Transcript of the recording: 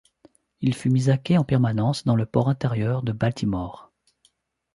Il fut mis à quai en permanence dans le port intérieur de Baltimore.